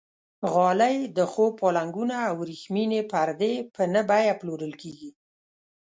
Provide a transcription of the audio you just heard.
غالۍ، د خوب پالنګونه او وریښمینې پردې په نه بیه پلورل کېږي.